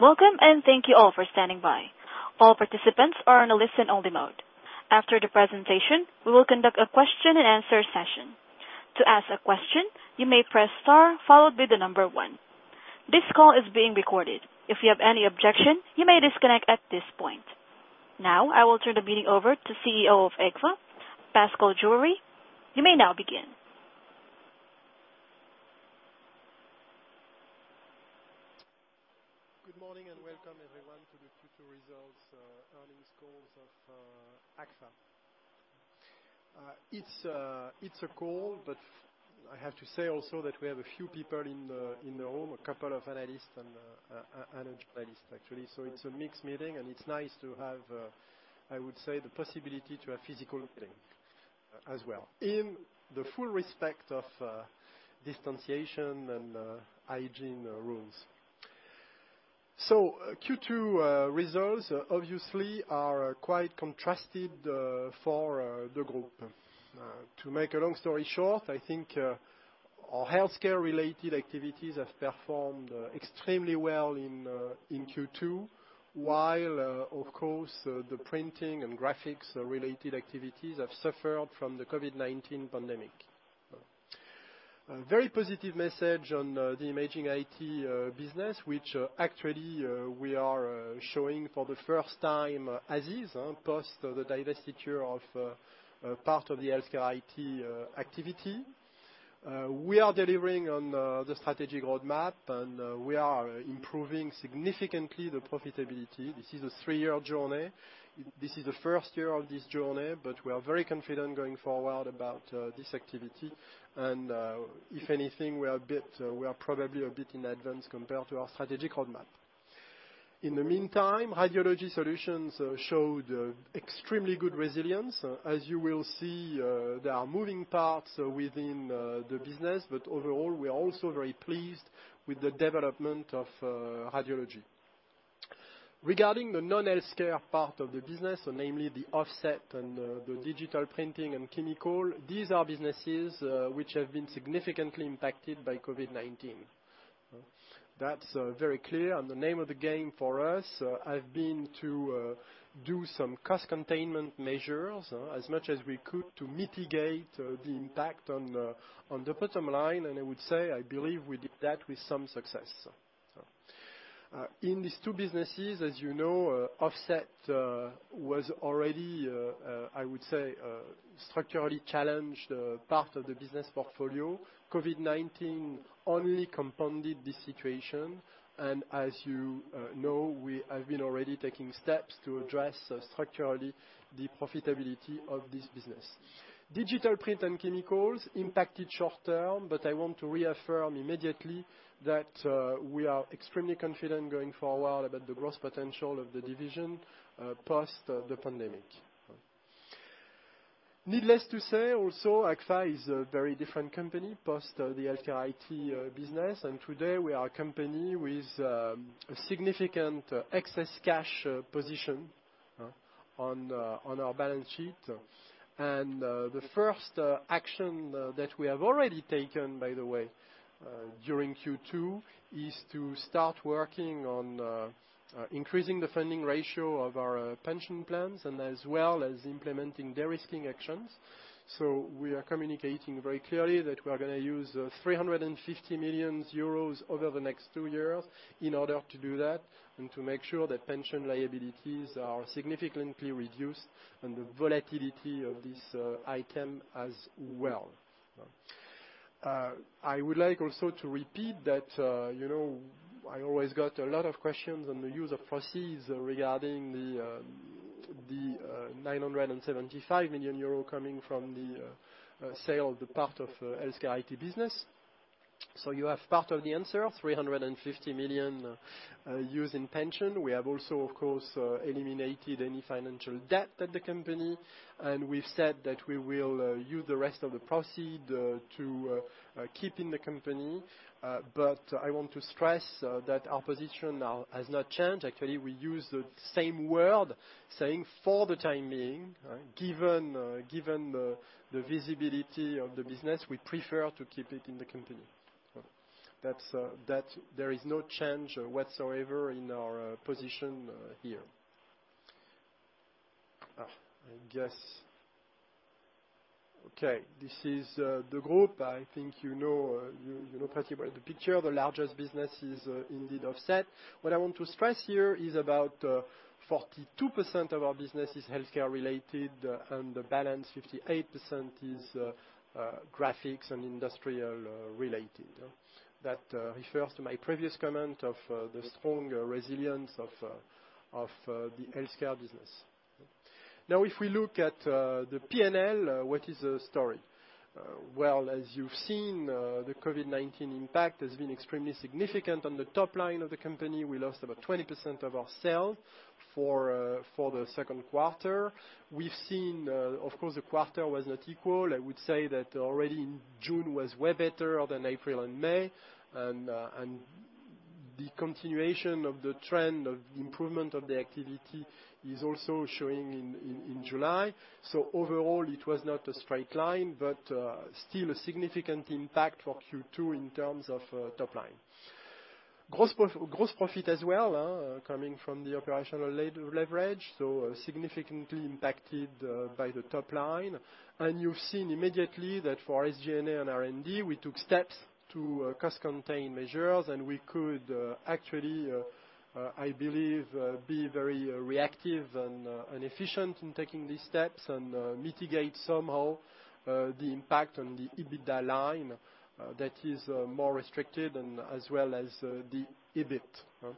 Welcome and thank you all for standing by. All participants are in only listen mode. After the presentation we will conduct a question and answer session. To ask a question, you may press star followed by the number one. This call is being recorded, If you have any objection you may disconnect at this point. I will turn the meeting over to CEO of Agfa-Gevaert, Pascal Juéry. You may now begin. Good morning, welcome everyone to the future results earnings calls of Agfa. It's a call, I have to say also that we have a few people in the room, a couple of analysts and a journalist actually. It's a mixed meeting, and it's nice to have, I would say, the possibility to have physical meeting as well, in the full respect of distanciation and hygiene rules. Q2 results obviously are quite contrasted for the group. To make a long story short, I think our healthcare-related activities have performed extremely well in Q2, while, of course, the printing and graphics-related activities have suffered from the COVID-19 pandemic. A very positive message on the Imaging IT business, which actually we are showing for the first time as is, post the divestiture of part of the HealthCare IT activity. We are delivering on the strategic roadmap, and we are improving significantly the profitability. This is a three-year journey. This is the first year of this journey, but we are very confident going forward about this activity. If anything, we are probably a bit in advance compared to our strategic roadmap. In the meantime, Radiology Solutions showed extremely good resilience. As you will see, there are moving parts within the business, but overall, we are also very pleased with the development of radiology. Regarding the non-healthcare part of the business, namely the Offset and the Digital Print & Chemicals, these are businesses which have been significantly impacted by COVID-19. That's very clear, and the name of the game for us has been to do some cost containment measures as much as we could to mitigate the impact on the bottom line, and I would say, I believe we did that with some success. In these two businesses, as you know, Offset was already, I would say, a structurally challenged part of the business portfolio. COVID-19 only compounded this situation, and as you know, we have been already taking steps to address structurally the profitability of this business. Digital Print & Chemicals impacted short-term, but I want to reaffirm immediately that we are extremely confident going forward about the growth potential of the division post the pandemic. Needless to say also, Agfa is a very different company post the HealthCare IT business, and today we are a company with a significant excess cash position on our balance sheet. The first action that we have already taken, by the way, during Q2, is to start working on increasing the funding ratio of our pension plans, and as well as implementing de-risking actions. We are communicating very clearly that we are going to use 350 million euros over the next two years in order to do that and to make sure that pension liabilities are significantly reduced and the volatility of this item as well. I would like also to repeat that I always got a lot of questions on the use of proceeds regarding the 975 million euro coming from the sale of the part of HealthCare IT business. You have part of the answer, 350 million used in pension. We have also, of course, eliminated any financial debt at the company. We've said that we will use the rest of the proceeds to keep in the company. I want to stress that our position now has not changed. Actually, we use the same word saying, for the time being, given the visibility of the business, we prefer to keep it in the company. There is no change whatsoever in our position here. I guess. Okay, this is the group. I think you know practically the picture. The largest business is indeed Offset. What I want to stress here is about 42% of our business is healthcare-related. The balance, 58%, is graphics and industrial-related. That refers to my previous comment of the strong resilience of the healthcare business. If we look at the P&L, what is the story? Well, as you've seen, the COVID-19 impact has been extremely significant on the top line of the company. We lost about 20% of our sales for the second quarter. We've seen, of course, the quarter was not equal. I would say that already in June was way better than April and May. The continuation of the trend of improvement of the activity is also showing in July. Overall, it was not a straight line, but still a significant impact for Q2 in terms of top line. Gross profit as well, coming from the operational leverage, so significantly impacted by the top line. You've seen immediately that for SG&A and R&D, we took steps to cost-contain measures, and we could actually, I believe, be very reactive and efficient in taking these steps and mitigate somehow the impact on the EBITDA line that is more restricted and as well as the EBIT.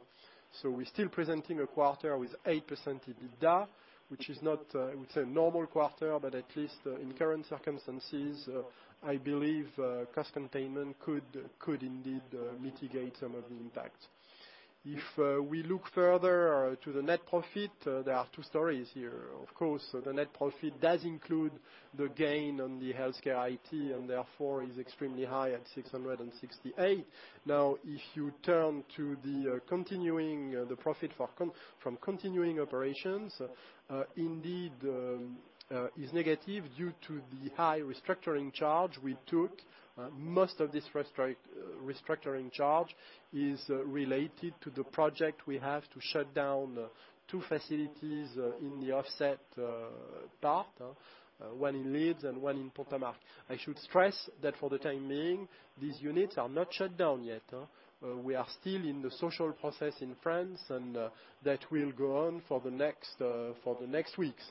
We're still presenting a quarter with 8% EBITDA, which is not, I would say, a normal quarter, but at least in current circumstances, I believe cost containment could indeed mitigate some of the impact. If we look further to the net profit, there are two stories here. Of course, the net profit does include the gain on the HealthCare IT, and therefore is extremely high at 668. If you turn to the profit from continuing operations, indeed, is negative due to the high restructuring charge we took. Most of this restructuring charge is related to the project we have to shut down two facilities in the Offset part, one in Leeds and one in Pont-à-Marcq. I should stress that for the time being, these units are not shut down yet. That will go on for the next weeks.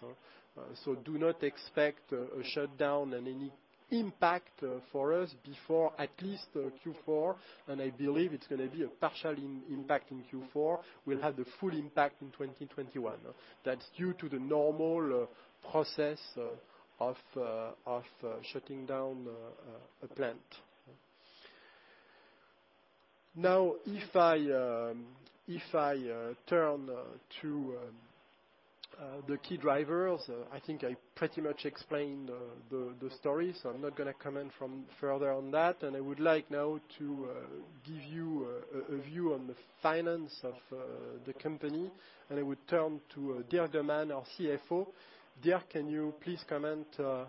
Do not expect a shutdown and any impact for us before at least Q4. I believe it's going to be a partial impact in Q4. We'll have the full impact in 2021. That's due to the normal process of shutting down a plant. If I turn to the key drivers, I think I pretty much explained the story. I'm not going to comment further on that. I would like now to give you a view on the finance of the company. I would turn to Dirk De Man, our CFO. Dirk, can you please comment the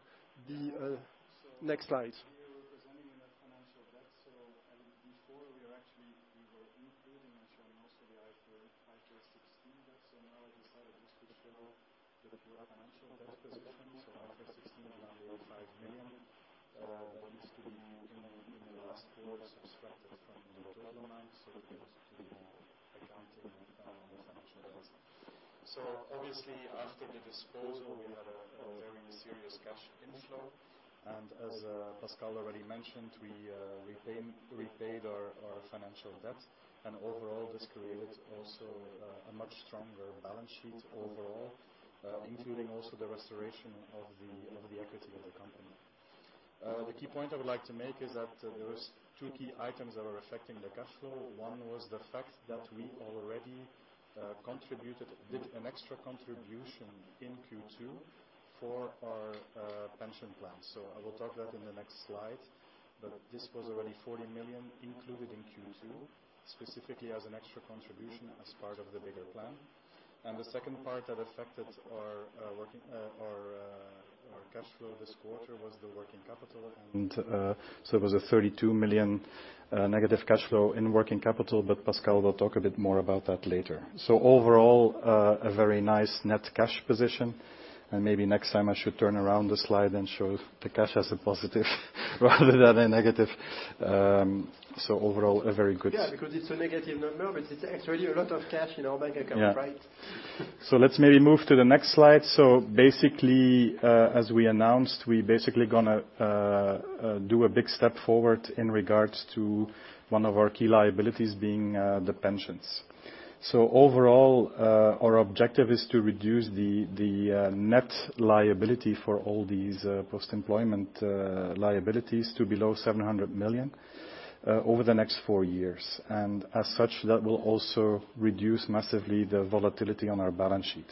next slides? Here we're presenting the net financial debt. Before we were including and showing most of the IFRS 16 debt. Now I decided just to show the pure financial debt position. IFRS 16 is EUR 105 million. This could be, in the last quarter, subtracted from the total amount. That was purely accounting and financial debt. Obviously, after the disposal, we had a very serious cash inflow. As Pascal already mentioned, we paid our financial debt. Overall, this created also a much stronger balance sheet overall, including also the restoration of the equity of the company. The key point I would like to make is that there was two key items that were affecting the cash flow. One was the fact that we already did an extra contribution in Q2 for our pension plan. I will talk about that in the next slide, but this was already 40 million included in Q2, specifically as an extra contribution as part of the bigger plan. The second part that affected our cash flow this quarter was the working capital. It was a 32 million negative cash flow in working capital, but Pascal will talk a bit more about that later. Overall, a very nice net cash position, and maybe next time I should turn around the slide and show the cash as a positive rather than a negative. Yeah, because it's a negative number, but it's actually a lot of cash in our bank account, right? Yeah. Let's maybe move to the next slide. Basically, as we announced, we basically going to do a big step forward in regards to one of our key liabilities, being the pensions. Overall, our objective is to reduce the net liability for all these post-employment liabilities to below 700 million over the next four years. As such, that will also reduce massively the volatility on our balance sheet.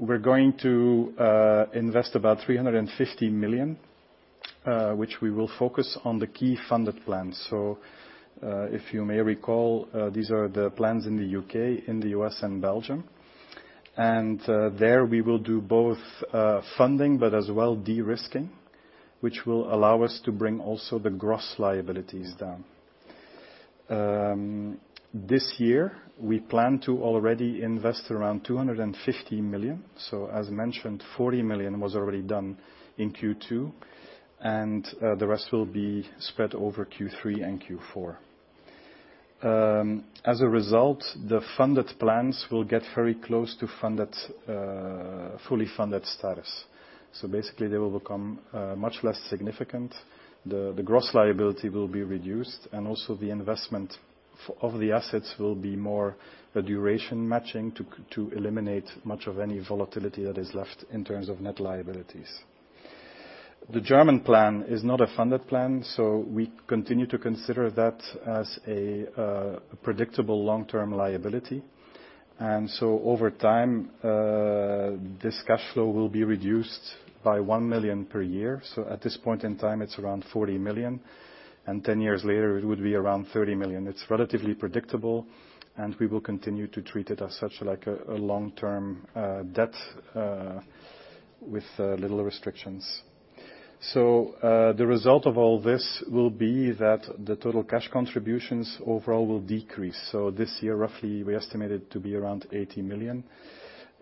We're going to invest about 350 million, which we will focus on the key funded plans. If you may recall, these are the plans in the U.K., in the U.S., and Belgium. There, we will do both funding, but as well, de-risking, which will allow us to bring also the gross liabilities down. This year, we plan to already invest around 250 million. As mentioned, 40 million was already done in Q2, and the rest will be spread over Q3 and Q4. As a result, the funded plans will get very close to fully funded status. Basically, they will become much less significant. The gross liability will be reduced, and also the investment of the assets will be more a duration matching to eliminate much of any volatility that is left in terms of net liabilities. The German plan is not a funded plan, so we continue to consider that as a predictable long-term liability. Over time, this cash flow will be reduced by 1 million per year. At this point in time, it's around 40 million, and 10 years later, it would be around 30 million. It's relatively predictable, and we will continue to treat it as such, like a long-term debt with little restrictions. The result of all this will be that the total cash contributions overall will decrease. This year, roughly, we estimate it to be around 80 million.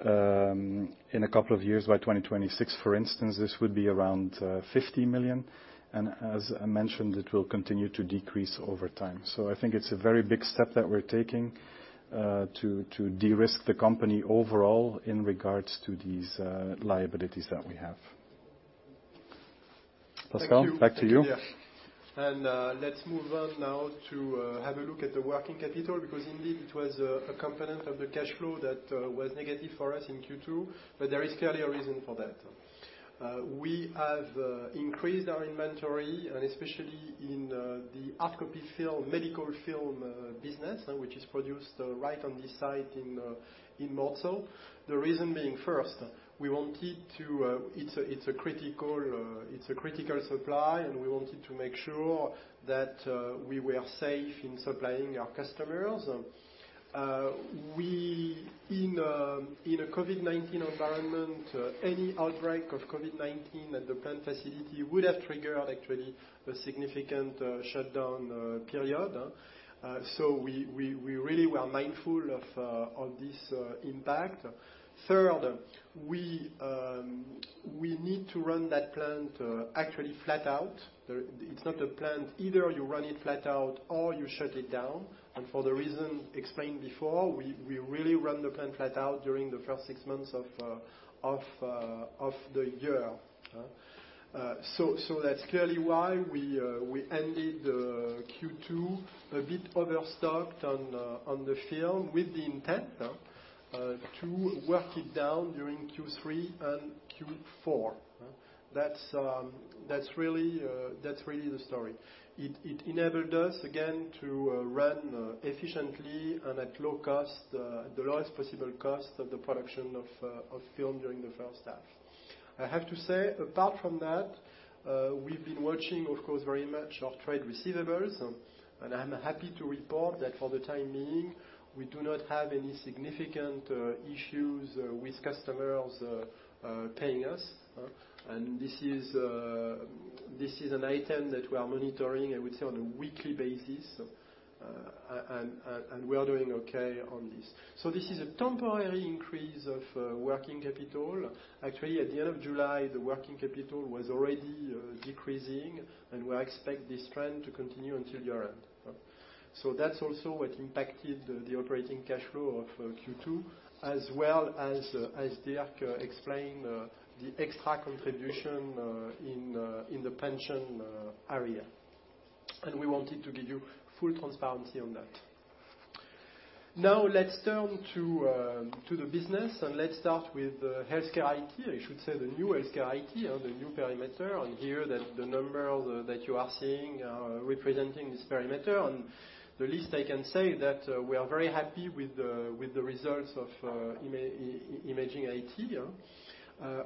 In a couple of years, by 2026, for instance, this would be around 50 million, and as I mentioned, it will continue to decrease over time. I think it's a very big step that we're taking to de-risk the company overall in regards to these liabilities that we have. Pascal, back to you. Thank you, Dirk. Let's move on now to have a look at the working capital, because indeed, it was a component of the cash flow that was negative for us in Q2. There is clearly a reason for that. We have increased our inventory, and especially in the AGFA] film, medical film business, which is produced right on this site in Mortsel. The reason being, first, it's a critical supply and we wanted to make sure that we were safe in supplying our customers. In a COVID-19 environment, any outbreak of COVID-19 at the plant facility would have triggered, actually, a significant shutdown period. We really were mindful of this impact. Third, we need to run that plant actually flat out. It's not a plant. Either you run it flat out or you shut it down. For the reason explained before, we really ran the plant flat out during the first six months of the year. That's clearly why we ended Q2 a bit overstocked on the film, with the intent to work it down during Q3 and Q4. That's really the story. It enabled us, again, to run efficiently and at low cost, the lowest possible cost of the production of film during the first half. I have to say, apart from that, we've been watching, of course, very much our trade receivables, and I'm happy to report that for the time being, we do not have any significant issues with customers paying us. This is an item that we are monitoring, I would say, on a weekly basis, and we are doing okay on this. This is a temporary increase of working capital. Actually, at the end of July, the working capital was already decreasing, and we expect this trend to continue until year-end. That's also what impacted the operating cash flow of Q2, as well as Dirk explained, the extra contribution in the pension area. We wanted to give you full transparency on that. Now let's turn to the business, and let's start with HealthCare IT. I should say the new HealthCare IT and the new perimeter on here, that the numbers that you are seeing are representing this perimeter, and the least I can say is that we are very happy with the results of Imaging IT.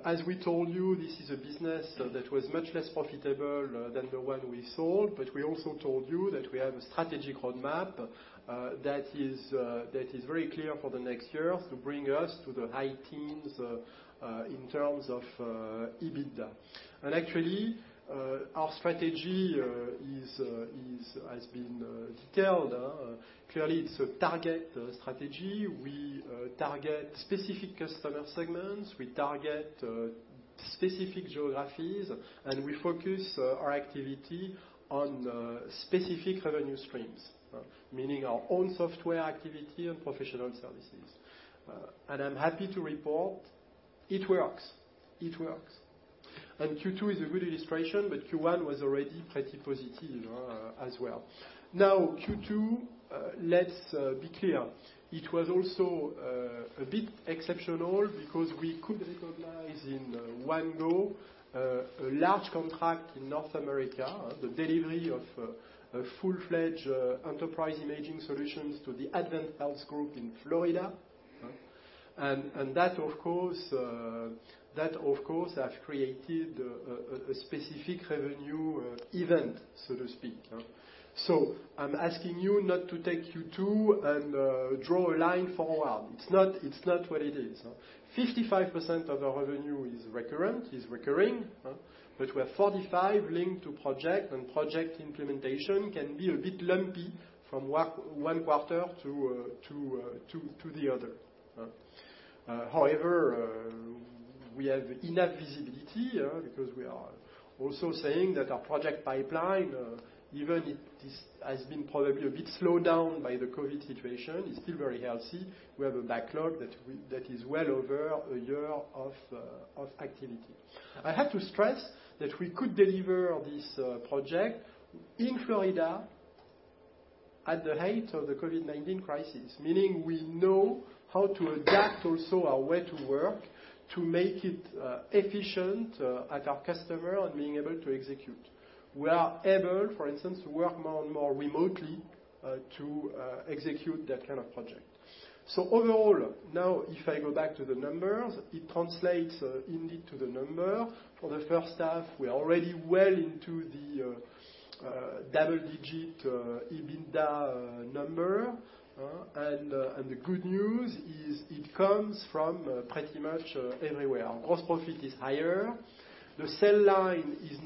As we told you, this is a business that was much less profitable than the one we sold, but we also told you that we have a strategic roadmap that is very clear for the next years to bring us to the high teens in terms of EBITDA. Actually, our strategy has been detailed. Clearly, it's a target strategy. We target specific customer segments, we target specific geographies, and we focus our activity on specific revenue streams. Meaning our own software activity and professional services. I'm happy to report it works. Q2 is a good illustration, but Q1 was already pretty positive as well. Q2, let's be clear. It was also a bit exceptional because we could recognize in one go a large contract in North America, the delivery of full-fledged Enterprise Imaging solutions to the AdventHealth Group in Florida. That, of course, has created a specific revenue event, so to speak. I'm asking you not to take Q2 and draw a line forward. It's not what it is. 55% of the revenue is recurring, but we have 45% linked to project, and project implementation can be a bit lumpy from one quarter to the other. We have enough visibility, because we are also saying that our project pipeline even has been probably a bit slowed down by the COVID situation, is still very healthy. We have a backlog that is well over a year of activity. I have to stress that we could deliver this project in Florida at the height of the COVID-19 crisis, meaning we know how to adapt also our way to work to make it efficient at our customer and being able to execute. We are able, for instance, to work more and more remotely to execute that kind of project. Overall, now if I go back to the numbers, it translates indeed to the number. For the first half, we are already well into the double-digit EBITDA number. The good news is it comes from pretty much everywhere. Gross profit is higher. The sell line is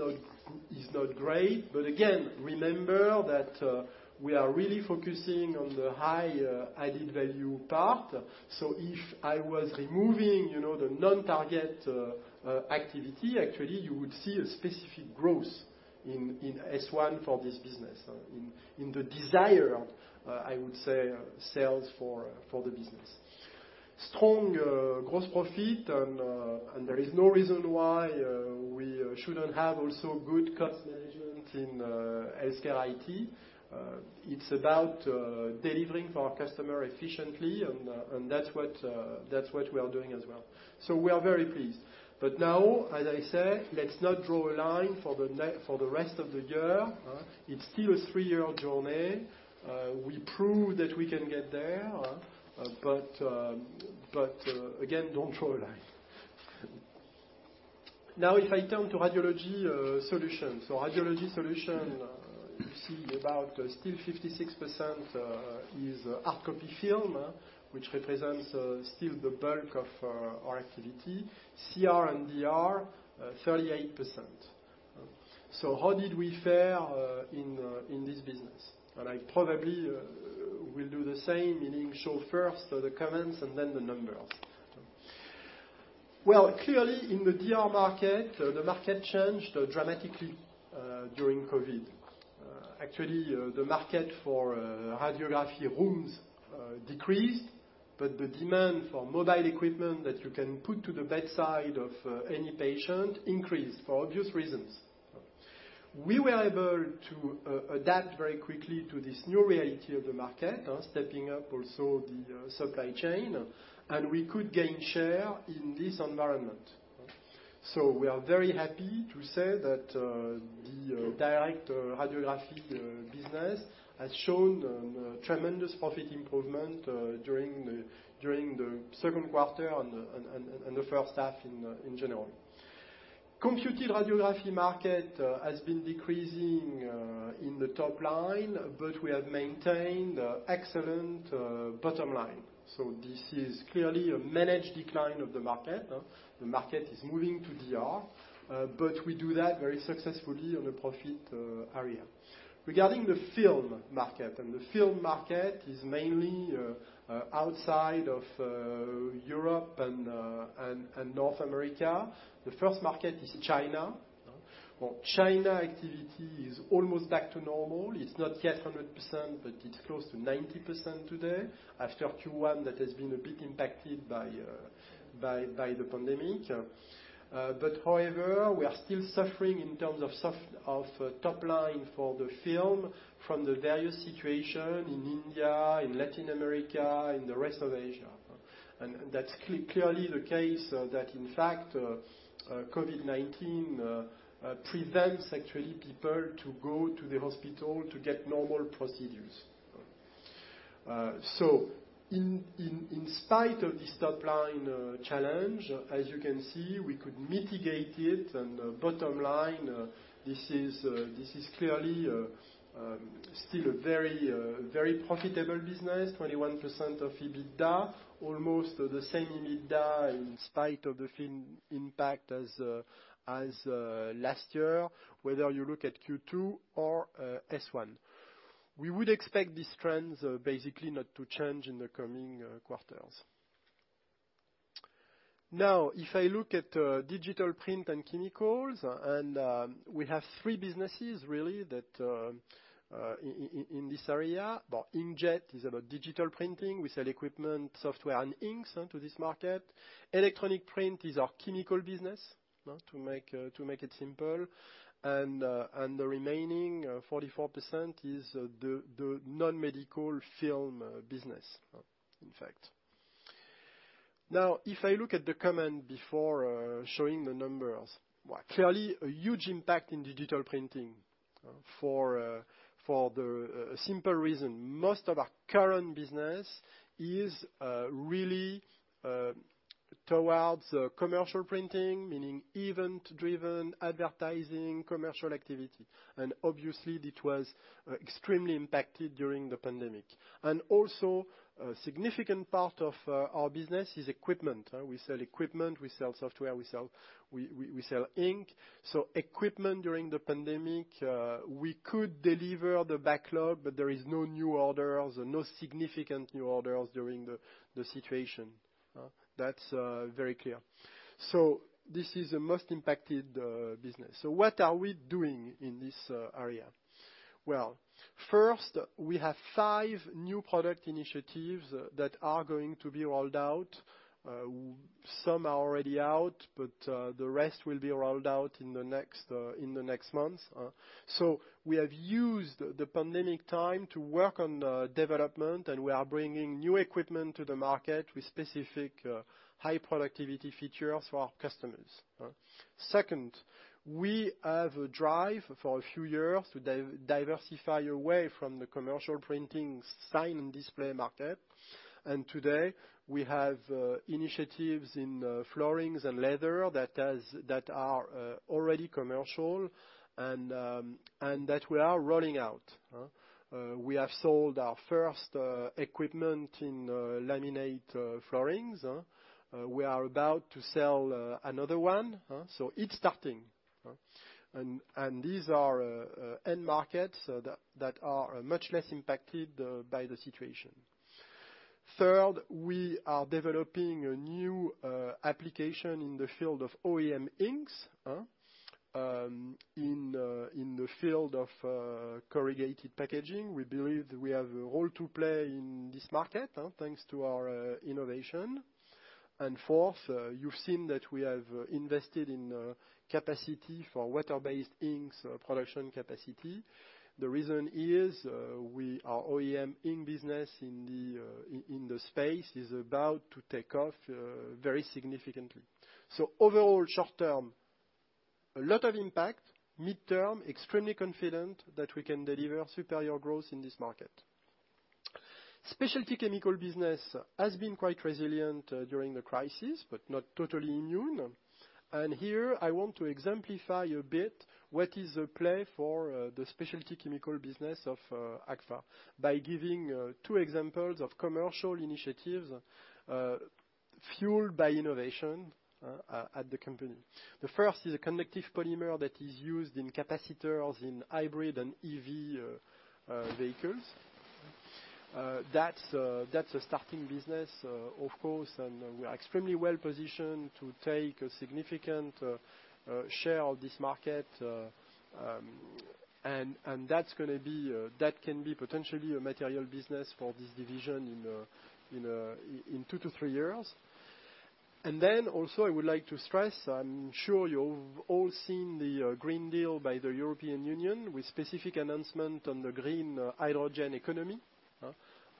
not great, but again, remember that we are really focusing on the high added value part. If I was removing the non-target activity, actually, you would see a specific growth in S1 for this business in the desired, I would say, sales for the business. Strong gross profit, and there is no reason why we shouldn't have also good cost management in HealthCare IT. It's about delivering for our customer efficiently, and that's what we are doing as well. We are very pleased. Now, as I said, let's not draw a line for the rest of the year. It's still a three-year journey. We proved that we can get there, but again, don't draw a line. Now, if I turn to Radiology Solutions. Radiology Solutions, you see about still 56% is hardcopy film, which represents still the bulk of our activity. CR and DR, 38%. How did we fare in this business? I probably will do the same, meaning show first the comments and then the numbers. Well, clearly in the DR market, the market changed dramatically during COVID. The market for radiography rooms decreased, but the demand for mobile equipment that you can put to the bedside of any patient increased, for obvious reasons. We were able to adapt very quickly to this new reality of the market, stepping up also the supply chain, and we could gain share in this environment. We are very happy to say that the direct radiography business has shown tremendous profit improvement during the second quarter and the first half in general. Computed radiography market has been decreasing in the top line, but we have maintained excellent bottom line. This is clearly a managed decline of the market. The market is moving to DR, but we do that very successfully on the profit area. Regarding the film market, and the film market is mainly outside of Europe and North America. The first market is China. Well, China activity is almost back to normal. It's not yet 100%, but it's close to 90% today after Q1 that has been a bit impacted by the pandemic. However, we are still suffering in terms of top line for the film from the various situation in India, in Latin America, in the rest of Asia. That's clearly the case that in fact, COVID-19 prevents actually people to go to the hospital to get normal procedures. In spite of this top-line challenge, as you can see, we could mitigate it, and bottom line, this is clearly still a very profitable business, 21% of EBITDA, almost the same EBITDA in spite of the film impact as last year, whether you look at Q2 or S1. We would expect these trends basically not to change in the coming quarters. If I look at Digital Print & Chemicals, and we have three businesses really in this area. Inkjet is about digital printing. We sell equipment, software, and inks into this market. Electronic print is our chemical business to make it simple. The remaining 44% is the non-medical film business, in fact. If I look at the comment before showing the numbers, clearly a huge impact in digital printing for the simple reason, most of our current business is really towards commercial printing, meaning event-driven advertising, commercial activity. Obviously, it was extremely impacted during the pandemic. Also, a significant part of our business is equipment. We sell equipment, we sell software, we sell ink. Equipment during the pandemic, we could deliver the backlog, but there is no new orders, no significant new orders during the situation. That's very clear. This is the most impacted business. What are we doing in this area? Well, First, we have five new product initiatives that are going to be rolled out. Some are already out, but the rest will be rolled out in the next months. We have used the pandemic time to work on development, and we are bringing new equipment to the market with specific high productivity features for our customers. Second, we have a drive for a few years to diversify away from the commercial printing sign and display market. Today, we have initiatives in floorings and leather that are already commercial and that we are rolling out. We have sold our first equipment in laminate floorings. We are about to sell another one. It's starting. These are end markets that are much less impacted by the situation. Third, we are developing a new application in the field of OEM inks. In the field of corrugated packaging, we believe we have a role to play in this market, thanks to our innovation. Fourth, you've seen that we have invested in capacity for water-based inks production. The reason is our OEM ink business in the space is about to take off very significantly. Overall, short term, a lot of impact. Midterm, extremely confident that we can deliver superior growth in this market. Specialty chemical business has been quite resilient during the crisis, but not totally immune. Here I want to exemplify a bit what is the play for the specialty chemical business of Agfa by giving two examples of commercial initiatives fueled by innovation at the company. The first is a conductive polymer that is used in capacitors in hybrid and EV vehicles. That's a starting business, of course, and we are extremely well-positioned to take a significant share of this market. That can be potentially a material business for this division in two to three years. Then also I would like to stress, I'm sure you've all seen the European Green Deal by the European Union with specific announcement on the green hydrogen economy,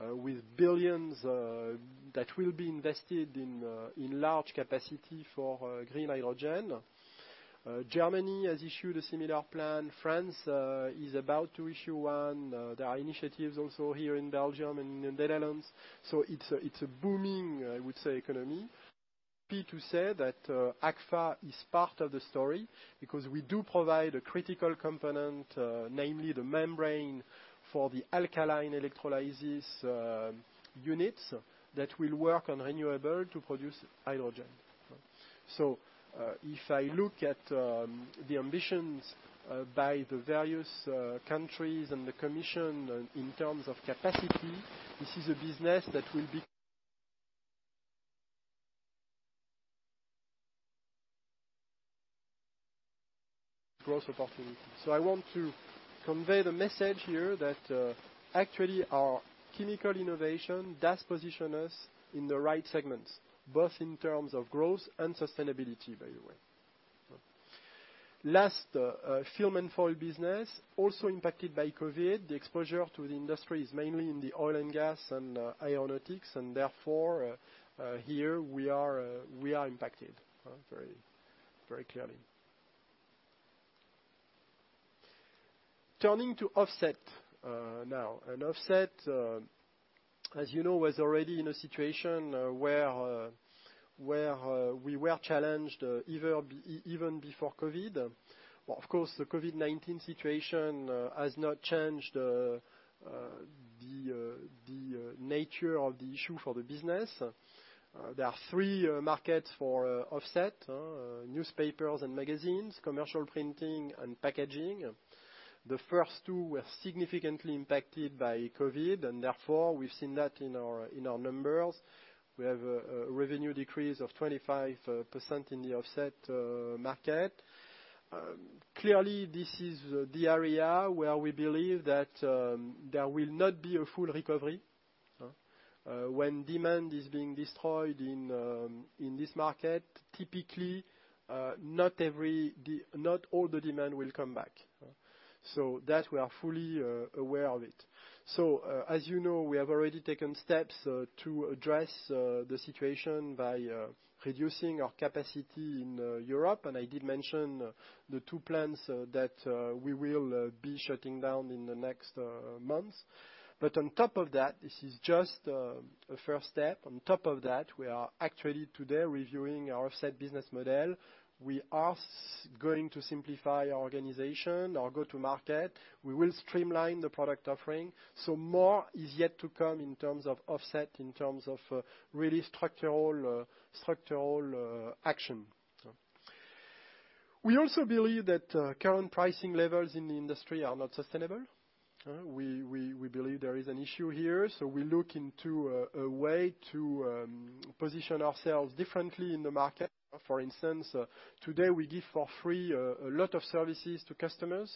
with billions that will be invested in large capacity for green hydrogen. Germany has issued a similar plan. France is about to issue one. There are initiatives also here in Belgium and Netherlands. It's a booming, I would say, economy. Happy to say that Agfa is part of the story because we do provide a critical component, namely the membrane for the alkaline electrolysis units that will work on renewable to produce hydrogen. If I look at the ambitions by the various countries and the commission in terms of capacity, this is a business that will be growth opportunity. I want to convey the message here that actually our chemical innovation does position us in the right segments, both in terms of growth and sustainability, by the way. Last, film and foil business also impacted by COVID-19. The exposure to the industry is mainly in the oil and gas and aeronautics, and therefore here we are impacted very clearly. Turning to Offset now. Offset, as you know, was already in a situation where we were challenged even before COVID-19. Of course, the COVID-19 situation has not changed the nature of the issue for the business. There are three markets for Offset. Newspapers and magazines, commercial printing and packaging. The first two were significantly impacted by COVID-19, and therefore we've seen that in our numbers. We have a revenue decrease of 25% in the Offset market. Clearly, this is the area where we believe that there will not be a full recovery. When demand is being destroyed in this market, typically not all the demand will come back. That we are fully aware of it. As you know, we have already taken steps to address the situation by reducing our capacity in Europe, and I did mention the two plants that we will be shutting down in the next months. On top of that, this is just a first step. On top of that, we are actually today reviewing our Offset Solutions business model. We are going to simplify our organization, our go-to market. We will streamline the product offering. More is yet to come in terms of Offset Solutions, in terms of really structural action. We also believe that current pricing levels in the industry are not sustainable. We believe there is an issue here, we look into a way to position ourselves differently in the market. For instance, today, we give for free a lot of services to customers.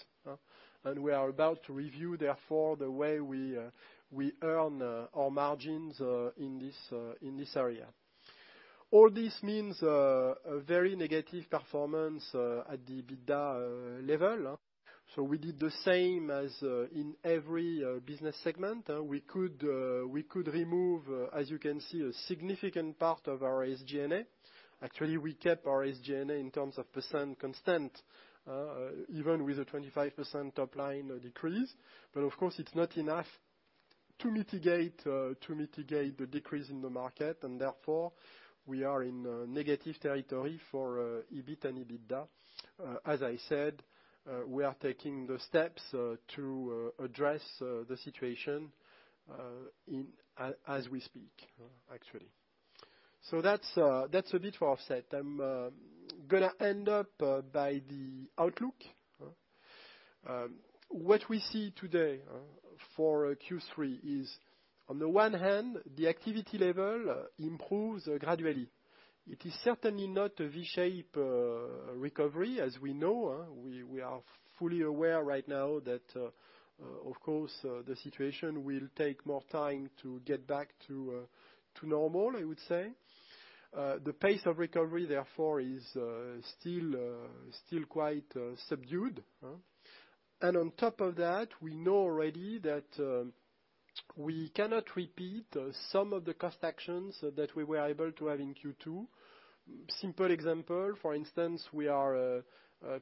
We are about to review, therefore, the way we earn our margins in this area. All this means a very negative performance at the EBITDA level. We did the same as in every business segment. We could remove, as you can see, a significant part of our SG&A. Actually, we kept our SG&A in terms of % constant, even with a 25% top-line decrease. Of course, it's not enough to mitigate the decrease in the market, and therefore, we are in negative territory for EBIT and EBITDA. As I said, we are taking the steps to address the situation as we speak, actually. That's a bit for Offset. I'm going to end up by the outlook. What we see today for Q3 is, on the one hand, the activity level improves gradually. It is certainly not a V-shape recovery, as we know. We are fully aware right now that, of course, the situation will take more time to get back to normal, I would say. The pace of recovery, therefore, is still quite subdued. On top of that, we know already that we cannot repeat some of the cost actions that we were able to have in Q2. Simple example, for instance,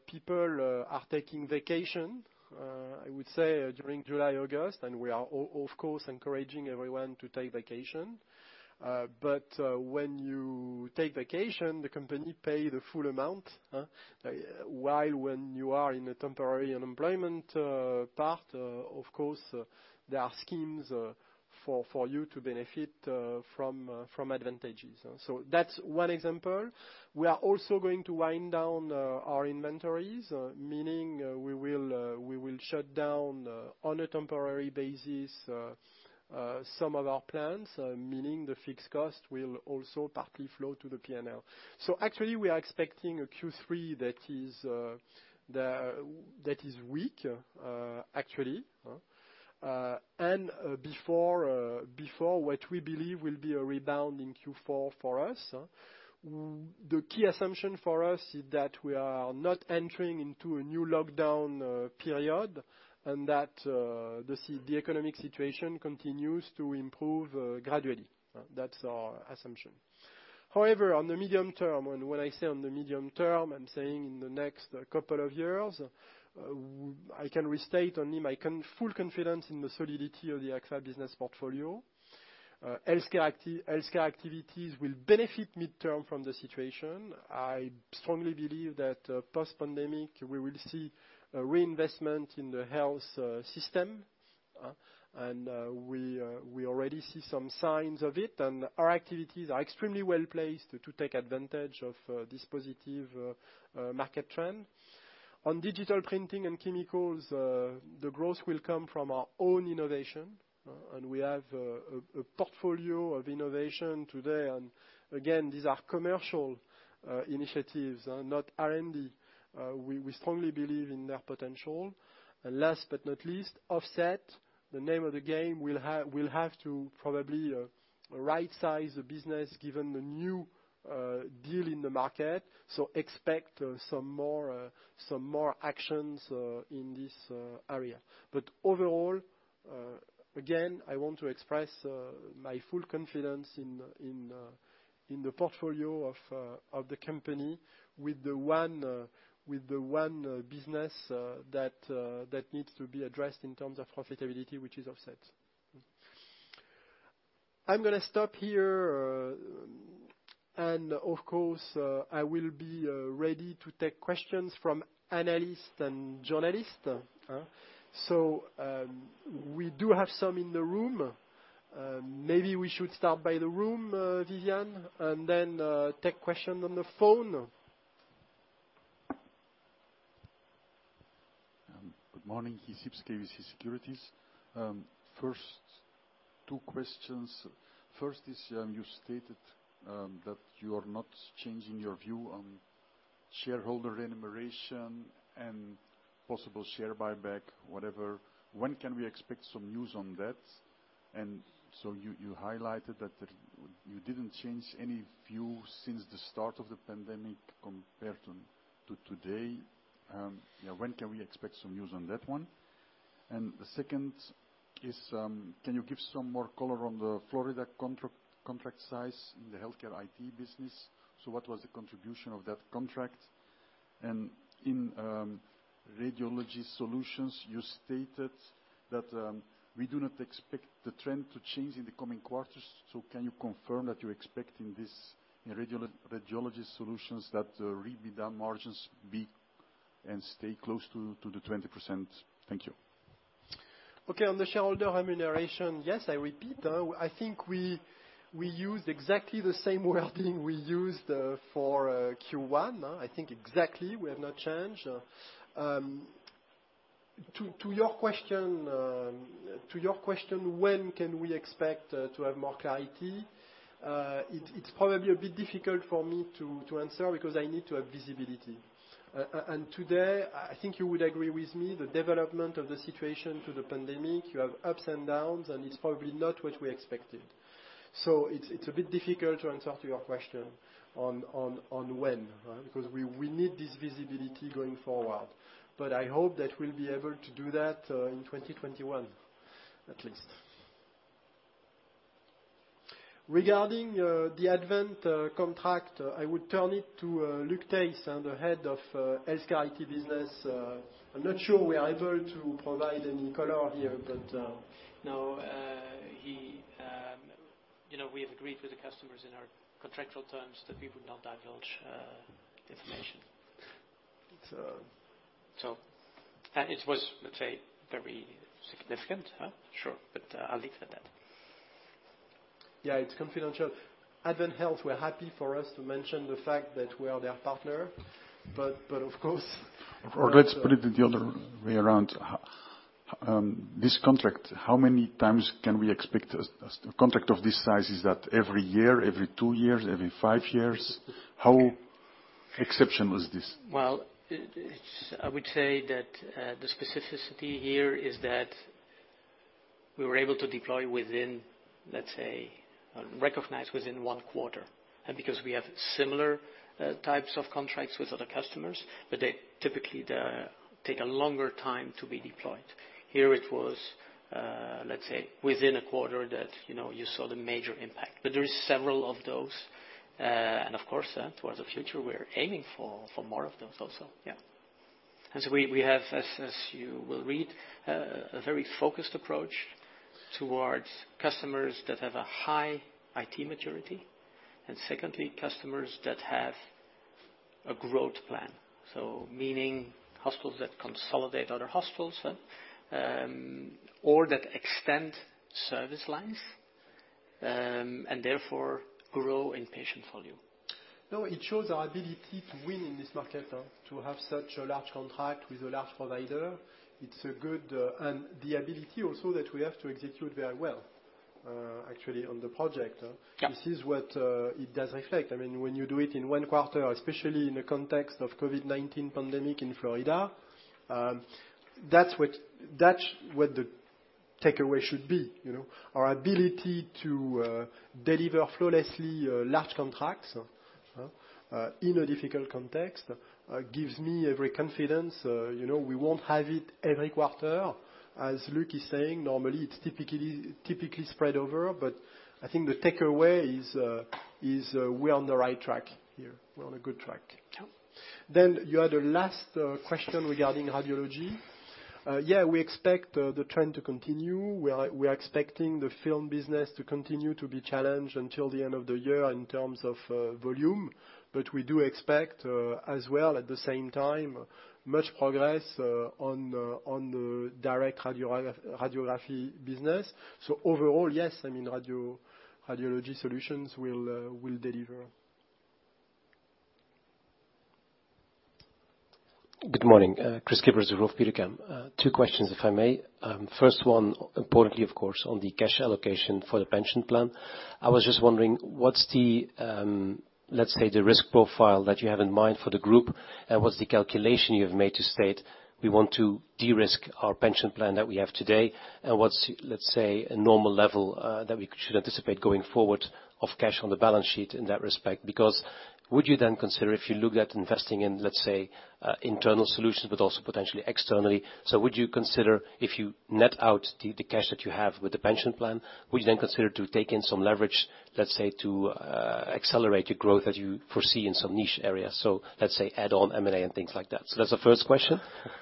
people are taking vacation, I would say, during July, August, and we are of course encouraging everyone to take vacation. When you take vacation, the company pay the full amount. While when you are in a temporary unemployment part, of course, there are schemes for you to benefit from advantages. That's one example. We are also going to wind down our inventories, meaning we will shut down, on a temporary basis, some of our plants, meaning the fixed cost will also partly flow to the P&L. Actually, we are expecting a Q3 that is weak, actually. Before what we believe will be a rebound in Q4 for us. The key assumption for us is that we are not entering into a new lockdown period and that the economic situation continues to improve gradually. That's our assumption. However, on the medium term, and when I say on the medium term, I'm saying in the next couple of years, I can restate only my full confidence in the solidity of the Agfa business portfolio. Healthcare activities will benefit midterm from the situation. I strongly believe that post-pandemic, we will see a reinvestment in the health system. We already see some signs of it, and our activities are extremely well-placed to take advantage of this positive market trend. On Digital Print & Chemicals, the growth will come from our own innovation. We have a portfolio of innovation today. Again, these are commercial initiatives, not R&D. We strongly believe in their potential. Last but not least, Offset Solutions, the name of the game, we will have to probably right-size the business given the new deal in the market. Expect some more actions in this area. Overall, again, I want to express my full confidence in the portfolio of the company with the one business that needs to be addressed in terms of profitability, which is Offset Solutions. I am going to stop here. Of course, I will be ready to take questions from analysts and journalists. We do have some in the room. Maybe we should start by the room, Viviane, and then take questions on the phone. Good morning. Guy Sips, KBC Securities. First, two questions. First is, you stated that you are not changing your view on shareholder remuneration and possible share buyback, whatever. When can we expect some news on that? You highlighted that you didn't change any view since the start of the pandemic compared to today. When can we expect some news on that one? The second is, can you give some more color on the Florida contract size in the HealthCare IT business? What was the contribution of that contract? In Radiology Solutions, you stated that we do not expect the trend to change in the coming quarters. Can you confirm that you're expecting this in Radiology Solutions that EBITDA margins be and stay close to the 20%? Thank you. Okay. On the shareholder remuneration, yes, I repeat. I think we used exactly the same wording we used for Q1. I think exactly, we have not changed. To your question, when can we expect to have more clarity? It's probably a bit difficult for me to answer because I need to have visibility. Today, I think you would agree with me, the development of the situation through the pandemic, you have ups and downs, and it's probably not what we expected. It's a bit difficult to answer to your question on when, because we need this visibility going forward. I hope that we'll be able to do that in 2021, at least. Regarding the Advent contract, I would turn it to Luc Thijs, the head of HealthCare IT business. I'm not sure we are able to provide any color here. No. We have agreed with the customers in our contractual terms that we would not divulge the information. So. It was, let's say, very significant. Sure. I'll leave it at that. Yeah, it's confidential. AdventHealth were happy for us to mention the fact that we are their partner. Let's put it the other way around. This contract, how many times can we expect a contract of this size? Is that every year, every two years, every five years? How exceptional is this? Well, I would say that the specificity here is that we were able to deploy within, let's say, recognized within one quarter. Because we have similar types of contracts with other customers, but they typically take a longer time to be deployed. Here it was, let's say, within a quarter that you saw the major impact. There is several of those, and of course, towards the future, we're aiming for more of those also. Yeah. As we have, as you will read, a very focused approach towards customers that have a high IT maturity, and secondly, customers that have a growth plan. Meaning hospitals that consolidate other hospitals, or that extend service lines, and therefore grow in patient volume. No, it shows our ability to win in this market, to have such a large contract with a large provider. It's good. The ability also that we have to execute very well, actually, on the project. Yeah. This is what it does reflect. When you do it in one quarter, especially in the context of COVID-19 pandemic in Florida, that's what the takeaway should be. Our ability to deliver flawlessly large contracts in a difficult context gives me every confidence. We won't have it every quarter. As Luc is saying, normally, it's typically spread over, but I think the takeaway is we're on the right track here. We're on a good track. Yeah. You had a last question regarding radiology. Yeah, we expect the trend to continue. We are expecting the film business to continue to be challenged until the end of the year in terms of volume. We do expect, as well at the same time, much progress on the direct radiography business. Overall, yes, Radiology Solutions will deliver. Good morning. Chris Skippers of Roth Capital. Two questions, if I may. First one, importantly, of course, on the cash allocation for the pension plan. I was just wondering, what's the, let's say, the risk profile that you have in mind for the group? What's the calculation you have made to state we want to de-risk our pension plan that we have today? What's, let's say, a normal level that we should anticipate going forward of cash on the balance sheet in that respect? Would you then consider, if you look at investing in, let's say, internal solutions, but also potentially externally, so would you consider if you net out the cash that you have with the pension plan, would you then consider to take in some leverage, let's say, to accelerate your growth as you foresee in some niche areas? Let's say add-on M&A and things like that.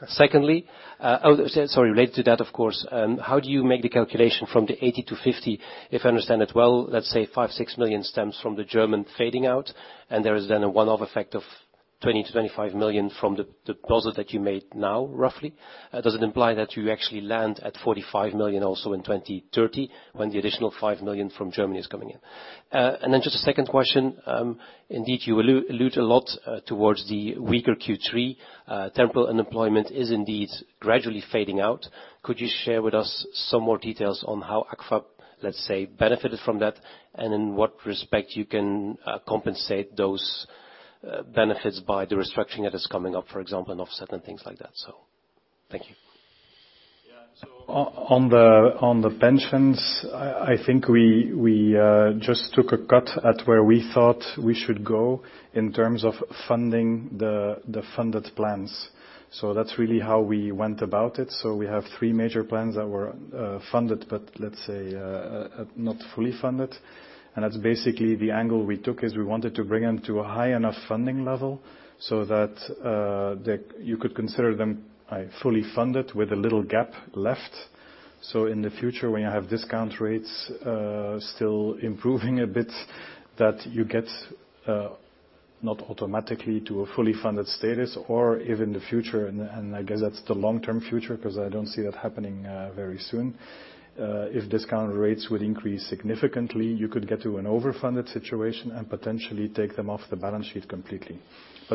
Secondly, oh, sorry, related to that, of course, how do you make the calculation from the 80 to 50? If I understand it well, let's say 5 million-6 million stems from the German fading out, and there is then a one-off effect of 20 million-25 million from the deposit that you made now, roughly. Does it imply that you actually land at 45 million also in 2030 when the additional 5 million from Germany is coming in? Just a second question. Indeed, you allude a lot towards the weaker Q3. Temporal unemployment is indeed gradually fading out. Could you share with us some more details on how Agfa, let's say, benefited from that and in what respect you can compensate those benefits by the restructuring that is coming up, for example, and Offset and things like that? So thank you. Yeah. On the pensions, I think we just took a cut at where we thought we should go in terms of funding the funded plans. That's really how we went about it. We have three major plans that were funded, but let's say not fully funded. That's basically the angle we took, is we wanted to bring them to a high enough funding level so that you could consider them fully funded with a little gap left. In the future, when you have discount rates still improving a bit, that you get not automatically to a fully funded status or if in the future, and I guess that's the long-term future, because I don't see that happening very soon. If discount rates would increase significantly, you could get to an over-funded situation and potentially take them off the balance sheet completely.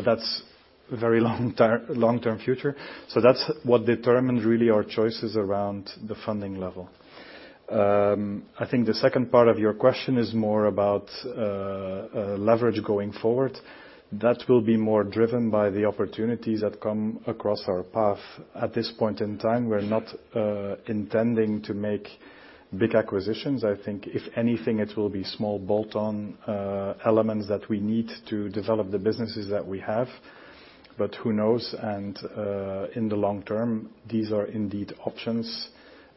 That's very long-term future. That's what determined really our choices around the funding level. I think the second part of your question is more about leverage going forward. That will be more driven by the opportunities that come across our path. At this point in time, we're not intending to make big acquisitions. I think if anything, it will be small bolt-on elements that we need to develop the businesses that we have. Who knows? In the long term, these are indeed options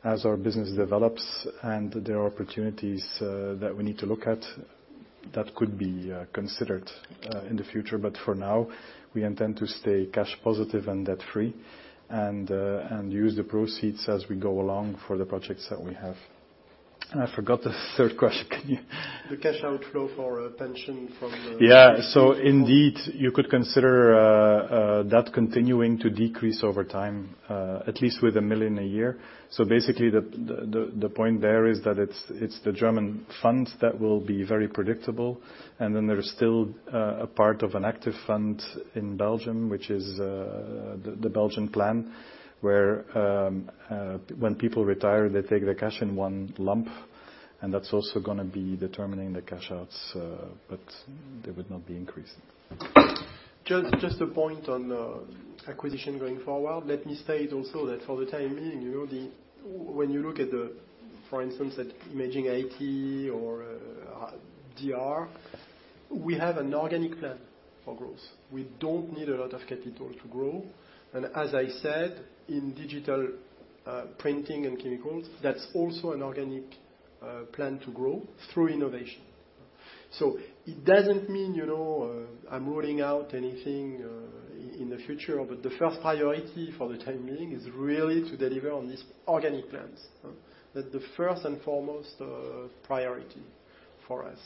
as our business develops, and there are opportunities that we need to look at that could be considered in the future. For now, we intend to stay cash positive and debt-free and use the proceeds as we go along for the projects that we have. I forgot the third question. Can you? The cash outflow for pension. Indeed, you could consider that continuing to decrease over time, at least with 1 million a year. Basically, the point there is that it's the German fund that will be very predictable. There is still a part of an active fund in Belgium, which is the Belgian plan, where when people retire, they take the cash in one lump, and that's also going to be determining the cash outs, but they would not be increasing. Just a point on acquisition going forward. Let me state also that for the time being, when you look at the, for instance, at Imaging IT or DR, we have an organic plan for growth. We don't need a lot of capital to grow. As I said, in Digital Printing and Chemicals, that's also an organic plan to grow through innovation. It doesn't mean I'm ruling out anything in the future, but the first priority for the time being is really to deliver on these organic plans. That's the first and foremost priority for us.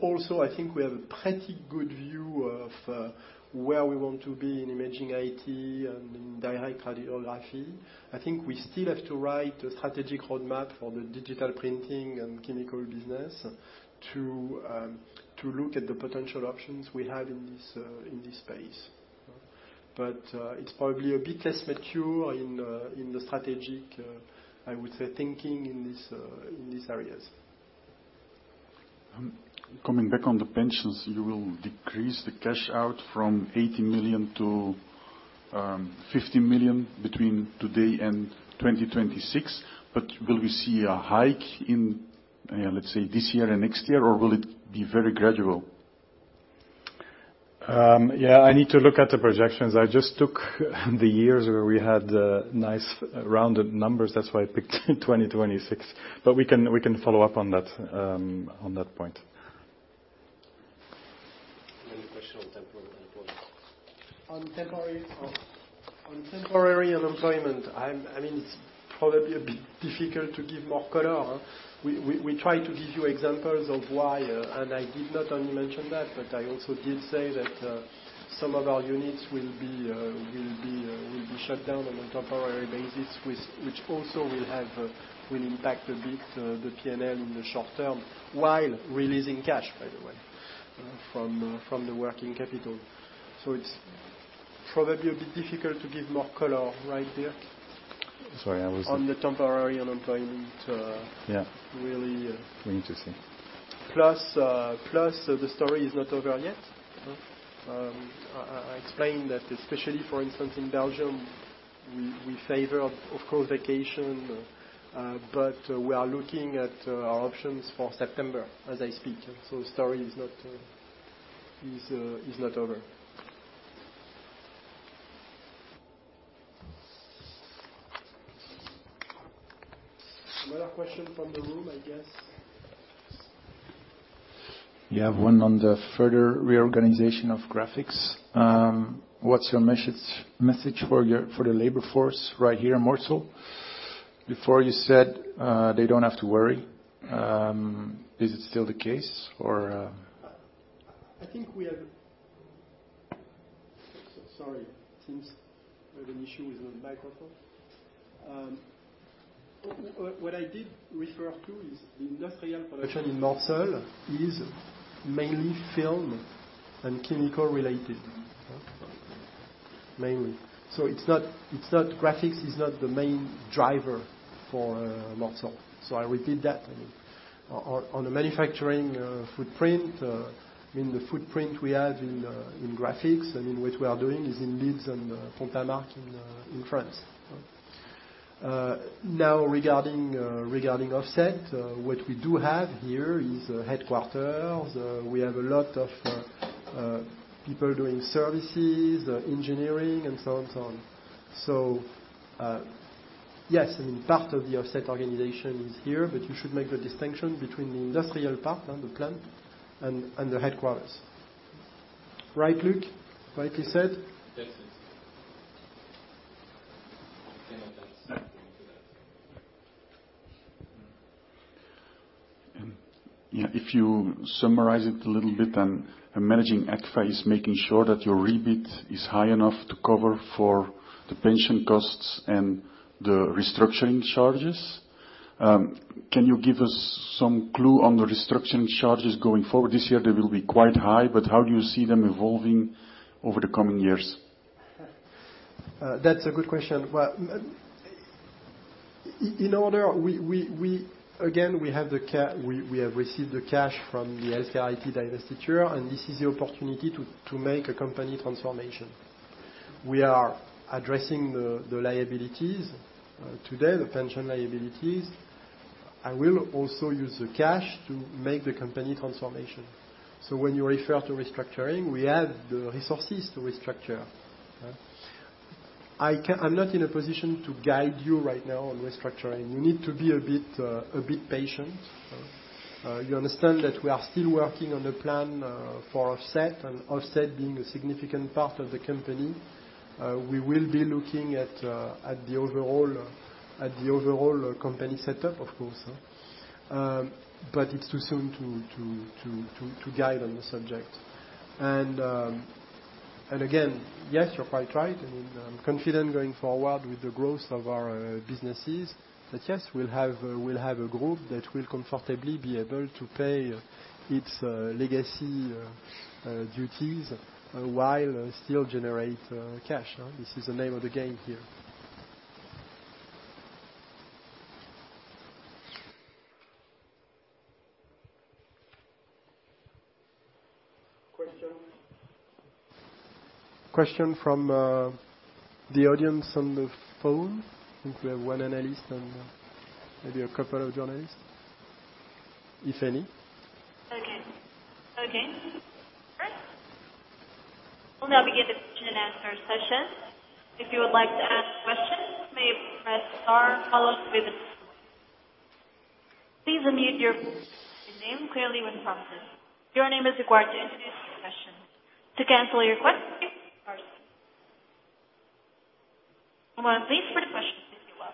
Also, I think we have a pretty good view of where we want to be in Imaging IT and in direct radiography. I think we still have to write a strategic roadmap for the Digital Printing and Chemical business to look at the potential options we have in this space. It's probably a bit less mature in the strategic, I would say, thinking in these areas. Coming back on the pensions, you will decrease the cash out from 80 million to 50 million between today and 2026. Will we see a hike in, let's say, this year and next year, or will it be very gradual? Yeah, I need to look at the projections. I just took the years where we had nice rounded numbers. That's why I picked 2026. We can follow up on that point. Any question on temporary unemployment? On temporary unemployment, it's probably a bit difficult to give more color. I did not only mention that, but I also did say that some of our units will be shut down on a temporary basis, which also will impact a bit the P&L in the short term, while releasing cash, by the way, from the working capital. It's probably a bit difficult to give more color right here. Sorry. On the temporary unemployment. Yeah. Really. We need to see The story is not over yet. I explained that, especially, for instance, in Belgium, we favor, of course, vacation. We are looking at our options for September as I speak. The story is not over. Another question from the room, I guess. You have one on the further reorganization of graphics. What's your message for the labor force right here in Mortsel? Before you said they don't have to worry. Is it still the case? I think we have Sorry, it seems we have an issue with my microphone. What I did refer to is the industrial production in Mortsel is mainly film and chemical related. Mainly. Graphics is not the main driver for Mortsel. I repeat that. On the manufacturing footprint, the footprint we have in graphics and in which we are doing is in Leeds and Pont-à-Marcq in France. Regarding Offset, what we do have here is a headquarters. We have a lot of people doing services, engineering, and so on. Yes, part of the Offset organization is here, but you should make the distinction between the industrial part and the plant and the headquarters. Right, Luc? Rightly said? That's it. If you summarize it a little bit, managing Agfa-Gevaert is making sure that your rebate is high enough to cover for the pension costs and the restructuring charges. Can you give us some clue on the restructuring charges going forward this year? They will be quite high, how do you see them evolving over the coming years? That's a good question. We have received the cash from the Imaging IT divestiture. This is the opportunity to make a company transformation. We are addressing the liabilities today, the pension liabilities. I will also use the cash to make the company transformation. When you refer to restructuring, we add the resources to restructure. I'm not in a position to guide you right now on restructuring. You need to be a bit patient. You understand that we are still working on the plan for Offset. Offset being a significant part of the company. We will be looking at the overall company setup, of course. It's too soon to guide on the subject. Again, yes, you're quite right. I mean, I'm confident going forward with the growth of our businesses. Yes, we'll have a group that will comfortably be able to pay its legacy duties while still generate cash. This is the name of the game here. Question from the audience on the phone? I think we have one analyst and maybe a couple of journalists, if any. Okay. We'll now begin the question and answer session. If you would like to ask a question, you may press star followed by the number one. Please unmute your name clearly when prompted. Your name is required to introduce before the question. To cancel your question, you may press star. Come on, please put questions if you will.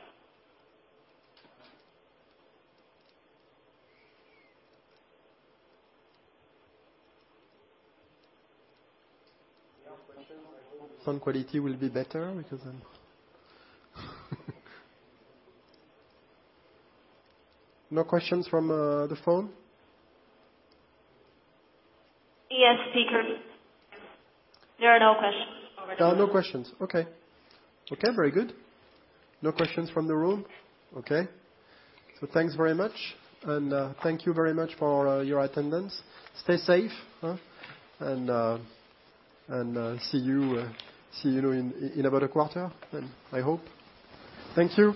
No questions from the phone? Yes, speaker. There are no questions over the phone. There are no questions. Okay. Very good. No questions from the room? Okay. Thanks very much. Thank you very much for your attendance. Stay safe. See you in about a quarter, I hope. Thank you.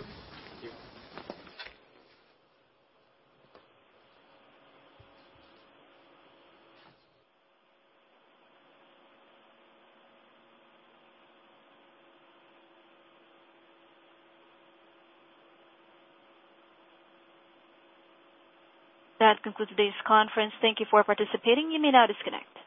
Thank you. That concludes today's conference. Thank you for participating. You may now disconnect.